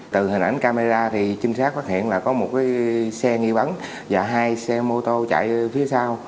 từ hình ảnh camera thì trinh sát phát hiện là có một xe nghi vấn và hai xe mô tô chạy phía sau